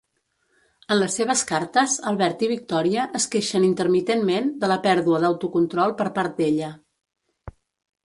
En les seves cartes, Albert i Victòria es queixen intermitentment de la pèrdua d'autocontrol per part d'ella.